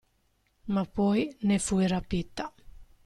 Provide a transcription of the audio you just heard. Ma poi ne fui rapita.